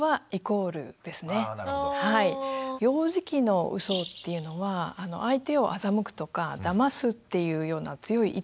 幼児期のうそっていうのは相手を欺くとかダマすっていうような強い意図はないんですね。